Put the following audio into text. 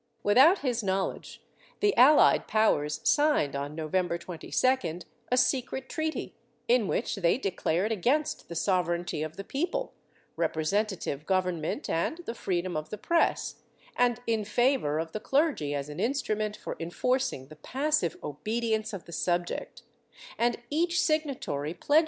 Without his knowledge the Allied Powers signed, on November 22d, a secret treaty, in which they declared against the sovereignty of the people, representative government and the freedom of the press, and in favor of the clergy as an instrument for enforcing the passive obedience of the subject; and each signatory pledged ' Miraflores, Documentos, II, 76, 79.